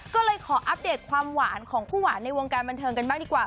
ก็เลยขออัปเดตความหวานของคู่หวานในวงการบันเทิงกันบ้างดีกว่า